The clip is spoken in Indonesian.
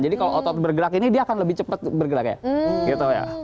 kalau otot bergerak ini dia akan lebih cepat bergerak ya gitu ya